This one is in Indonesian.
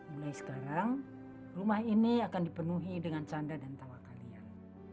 mulai sekarang rumah ini akan dipenuhi dengan canda dan tawa kalian